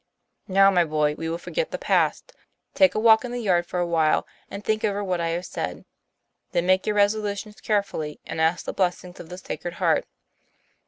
" Now my boy, we will forget the past. Take a walk in the yard for a while, and think over what I have said. Then make your resolutions carefully, and ask the blessing of the Sacred Heart."